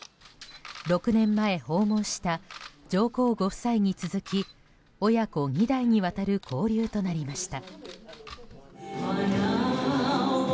６年前訪問した上皇ご夫妻に続き親子２代にわたる交流となりました。